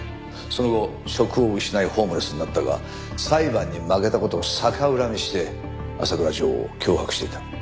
その後職を失いホームレスになったが裁判に負けた事を逆恨みして浅倉譲を脅迫していた。